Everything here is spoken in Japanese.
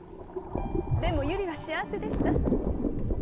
でも百合は幸せでした。